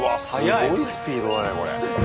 すごいスピードだねこれ。